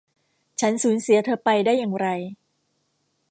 ฉันสูญเสียเธอไปได้อย่างไร